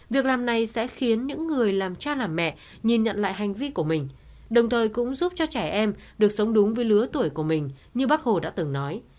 việc làm này sẽ khiến những người làm cha làm mẹ nhìn nhận lại hành vi của mình đồng thời cũng giúp cho trẻ em được sống đúng với lứa tuổi của mình như bác hồ đã từng nói